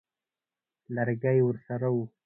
لرګی ورسره وو.